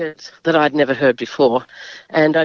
yang saya tidak pernah dengar sebelumnya